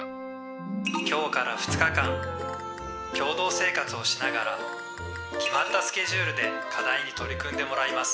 「今日から２日間共同生活をしながら決まったスケジュールで課題に取り組んでもらいます」。